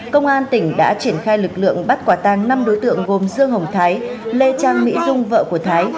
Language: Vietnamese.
công an tỉnh đã triển khai lực lượng bắt quả tăng năm đối tượng gồm dương hồng thái lê trang mỹ dung vợ của thái